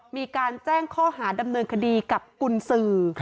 มีการแจ้งข้อหาดำเนินคดีกับกุญสือ